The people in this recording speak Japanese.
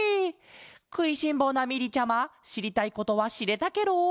くいしんぼうなみりちゃましりたいことはしれたケロ？